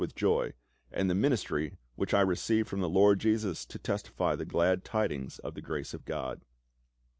with joy, and the ministry which I received from the Lord Jesus to testify the glad tidings of the grace of God.